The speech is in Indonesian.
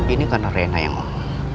ini kan arena yang om